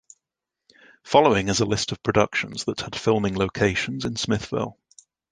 Following is a list of productions that had filming locations in Smithville.